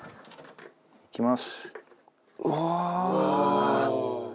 いきます。